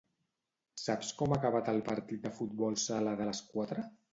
Saps com ha acabat el partit de futbol sala de les quatre?